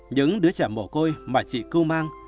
những đứa trẻ mổ côi mà chị cưu mang